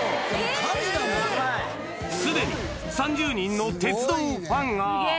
すでに３０人の鉄道ファンが。